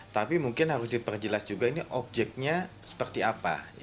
tapi mungkin harus diperjelas juga ini objeknya seperti apa